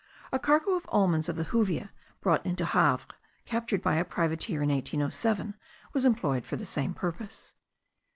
A cargo of almonds of the juvia, bought into Havre, captured by a privateer, in 1807, was employed for the same purpose.